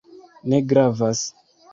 Ne gravas.